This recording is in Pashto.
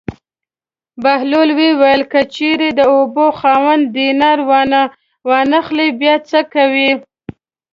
بهلول وویل: که چېرې د اوبو خاوند دینار وانه خلي بیا څه کوې.